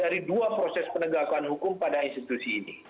dari dua proses penegakan hukum pada institusi ini